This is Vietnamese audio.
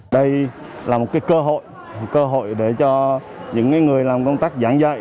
đây là một cơ hội cơ hội để cho những người làm công tác giảng dạy